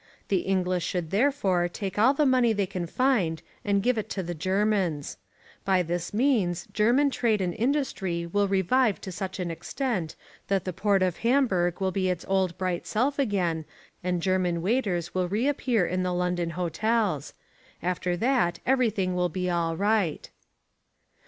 The English should therefore take all the money they can find and give it to the Germans. By this means German trade and industry will revive to such an extent that the port of Hamburg will be its old bright self again and German waiters will reappear in the London hotels. After that everything will be all right.